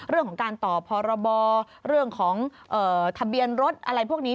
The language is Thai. เรื่องของการต่อพรบเรื่องของทะเบียนรถอะไรพวกนี้